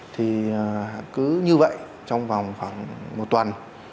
thì cứ như vậy trong vòng khoảng một tuần